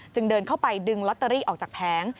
เดินเข้าไปดึงลอตเตอรี่ออกจากแผง